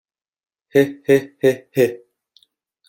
Heh heh heh heh!